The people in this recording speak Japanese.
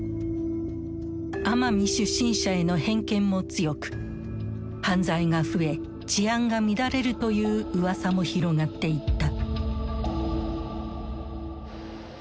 奄美出身者への偏見も強く犯罪が増え治安が乱れるといううわさも広がっていった。